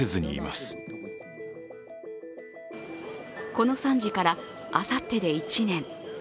この惨事から、あさってで１年。